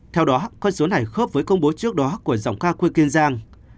theo đó con số này khớp với công bố trước đó của dòng ca quê kiên giang